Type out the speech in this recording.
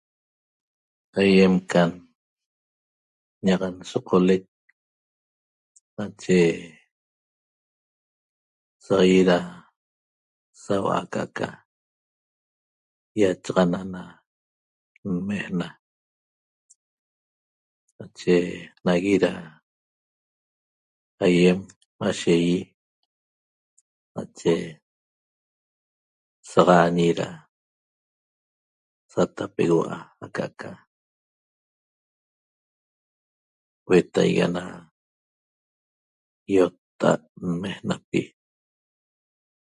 Aiem ca ñaq nsoqo'olec nache saxaiet ra saua' ca'aca iachaxana na nmeena nache nagui ra aiem mashe ŷi nache saxañi ra satapegueua' aca aca huetaigui ana iotta'at nmeena'pi